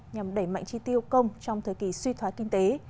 nhằm đẩy mạnh chi tiêu công trong thời kỳ suy thoái kinh tế